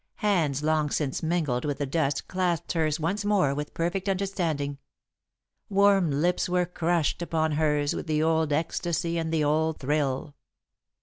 Hands long since mingled with the dust clasped hers once more with perfect understanding warm lips were crushed upon hers with the old ecstasy and the old thrill.